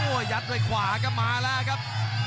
โอ่ยัดไว้ขวาแก่มาแล้วครับ